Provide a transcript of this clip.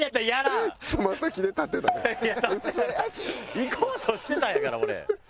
いこうとしてたんやから俺。